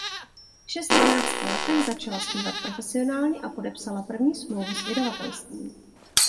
V šestnácti letech začala zpívat profesionálně a podepsala první smlouvu s vydavatelstvím.